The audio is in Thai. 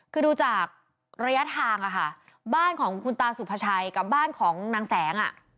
คือดูจากระยะทางอะค่ะบ้านของคุณตาสุภาชัยกับบ้านของนางแสงอ่ะ